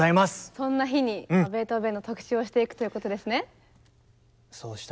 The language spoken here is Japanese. そんな日にベートーベンの特集をしていくということですね。